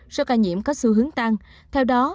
số ca nhiễm có xu hướng tăng theo đó